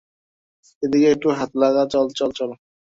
এদিকে, একটু হাত লাগা, চল, চল, চল!